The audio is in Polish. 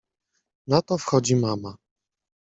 Na to wchodzi mama.